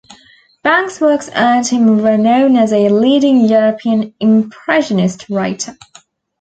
Bang's works earned him renown as a leading European impressionist writer.